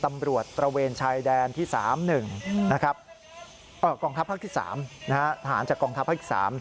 มีกองทัพภักดิ์ที่๓ทหารจากกองทัพภักดิ์ที่๓